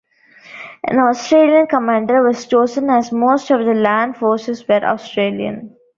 An Australian commander was chosen as most of the land forces were Australian.